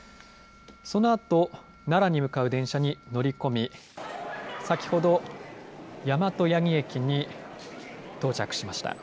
そのあと、奈良に向かう電車に乗り込み、先ほど、大和八木駅に到着しました。